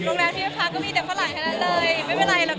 แต่ว่าอย่างตัวเขาก็แบบดีอะไรแบบนี้คนมันแจ้วได้อีกดีพี่โบ้ย